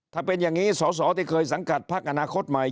ถ้าเป็นอย่างนี้สอสอที่เคยสังกัดพักอนาคตใหม่